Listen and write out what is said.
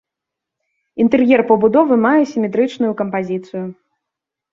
Інтэр'ер пабудовы мае сіметрычную кампазіцыю.